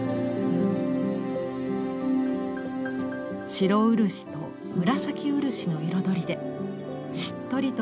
白漆と紫漆の彩りでしっとりと垂れ下がる房。